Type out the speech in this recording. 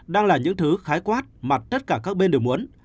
đang là những thứ khái quát mà tất cả các bên đều muốn